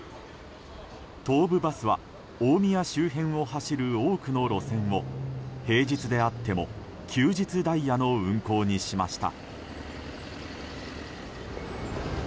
東武バスは大宮周辺を走る多くの路線を平日であっても休日ダイヤの運行にしました。